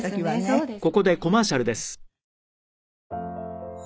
そうですね。